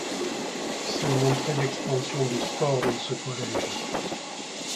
C'est montrer l'expansion du sport dans ce collège.